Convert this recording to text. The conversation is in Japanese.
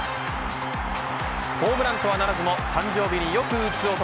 ホームランとはならずも誕生日によく打つ男